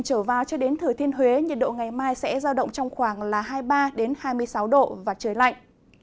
trở vào cho đến thừa thiên huế nhiệt độ ngày mai sẽ giao động trong khoảng hai mươi ba hai mươi sáu độ và trời lạnh